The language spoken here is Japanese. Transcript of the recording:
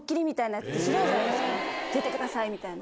出てください！みたいな。